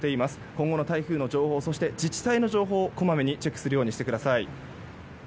今後の台風の情報そして自治体の情報をこまめにチェックするようにしてください。